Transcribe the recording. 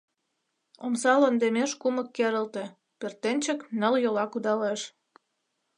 Омса лондемеш кумык керылте, пӧртӧнчык ныл йола кудалеш...